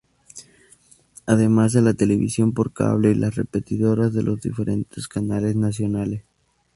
Además de la televisión por cable y las repetidoras de los diferentes canales nacionales.